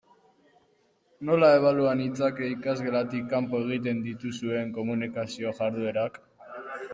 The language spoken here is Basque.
Nola ebalua nitzake ikasgelatik kanpo egiten dituzuen komunikazio jarduerak?